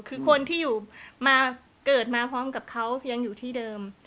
คือคนที่อยู่มาเกิดมาพร้อมกับเขายังอยู่ที่เดิม